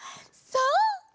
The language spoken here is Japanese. そう！